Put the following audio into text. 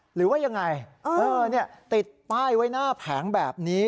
หรือว่ายังไงติดป้ายไว้หน้าแผงแบบนี้